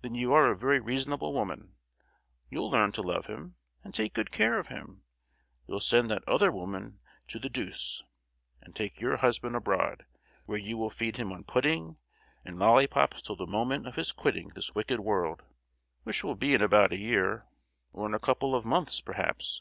Then you are a very reasonable woman: you'll learn to love him, and take good care of him; you'll send that other woman to the deuce, and take your husband abroad, where you will feed him on pudding and lollipops till the moment of his quitting this wicked world, which will be in about a year, or in a couple of months perhaps.